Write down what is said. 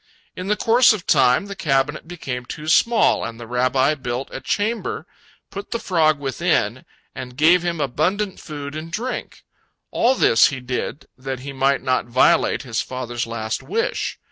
In the course of time, the cabinet became too small, and the Rabbi built a chamber, put the frog within, and gave him abundant food and drink. All this he did that he might not violate his father's last wish.